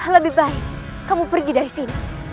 lebih baik kamu pergi dari sini